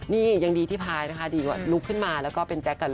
นี่ยังดีที่พายนะคะดีกว่าลุกขึ้นมาแล้วก็เป็นแจ๊คกับ